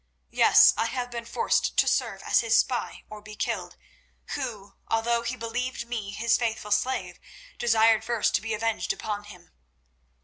Yes, I have been forced to serve as his spy or be killed, who, although he believed me his faithful slave, desired first to be avenged upon him."